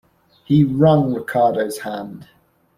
He wrung Ricardo's hand.